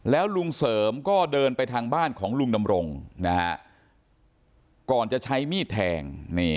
แล้วลุงเสริมก็เดินไปทางบ้านของลุงดำรงนะฮะก่อนจะใช้มีดแทง